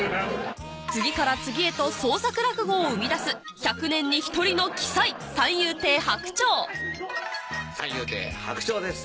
次から次へと創作落語を生み出す１００年に１人の奇才三遊亭白鳥です